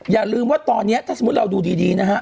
อย่าลืมว่าตอนนี้ถ้าสมมุติเราดูดีนะฮะ